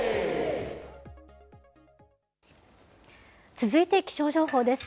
続いて気象情報です。